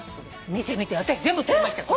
見て見て私全部撮りました。